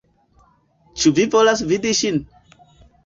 Ĉu vi volas vidi ŝin?